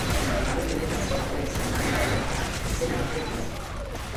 Barruti honetan dagoen Santa Ana katedralak izena ematen dio.